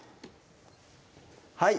はい